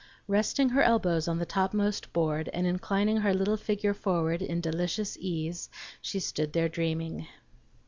Resting her elbows on the topmost board, and inclining her little figure forward in delicious ease, she stood there dreaming.